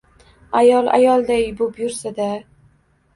Ayol ayolday bo‘p yursa-da.